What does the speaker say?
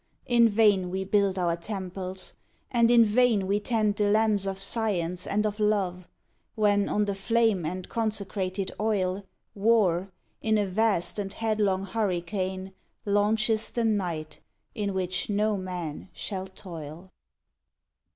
In vain we build our temples, and in vain We tend the lamps of Science and of Love, When on the flame and consecrated oil War, in a vast and headlong hurricane, Launches the Night in which no man shall toil.